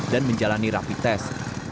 dan menjalani rapi tes